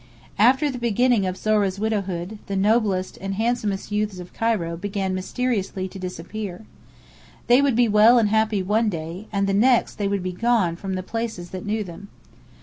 After the beginning of Zohra's widowhood, the noblest and handsomest youths of Cairo began mysteriously to disappear. They would be well and happy one day, and the next they would be gone from the places that knew them.